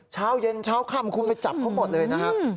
เช้าเย็นเช้าค่ำคุณไปจับเขาหมดเลยนะครับ